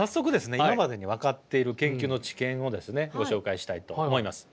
今までに分かっている研究の知見をですねご紹介したいと思います。